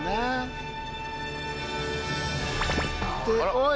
おい！